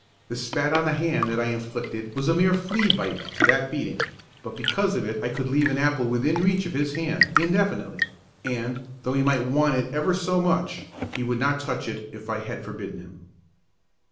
The spat on the hand that I inflicted was a mere flea bite to that beating, but because of it I could leave an apple within reach of his hand indefinitely and, though he might want it ever so much, he would not touch it if I had forbidden him.